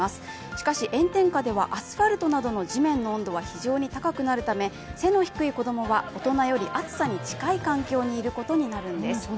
しかし炎天下ではアスファルトなどの地面の温度は非常に高くなるため、背の低い子供は大人より暑さに近い環境にいることになるんです。